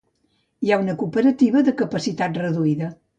Hi ha una cooperativa de capacitat reduïda.